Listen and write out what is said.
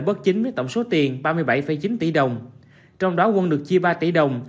bất chính với tổng số tiền ba mươi bảy chín tỷ đồng trong đó quân được chia ba tỷ đồng